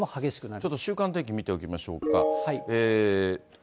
ちょっと週間天気見ておきましょうか。